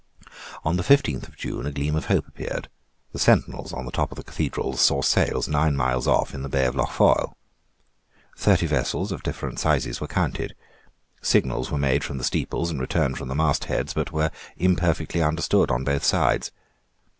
On the fifteenth of June a gleam of hope appeared. The sentinels on the top of the Cathedral saw sails nine miles off in the bay of Lough Foyle. Thirty vessels of different sizes were counted. Signals were made from the steeples and returned from the mast heads, but were imperfectly understood on both sides.